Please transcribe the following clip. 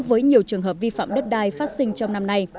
với nhiều trường hợp vi phạm đất đai phát sinh trong năm nay